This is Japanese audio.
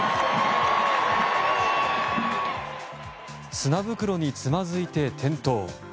砂袋につまずいて転倒。